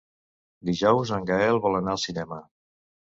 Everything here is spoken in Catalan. Dijous en Gaël vol anar al cinema.